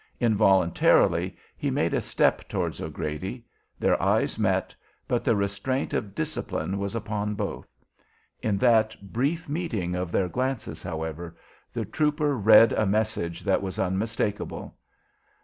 Involuntarily he made a step towards O'Grady; their eyes met; but the restraint of discipline was upon both. In that brief meeting of their glances, however, the trooper read a message that was unmistakable.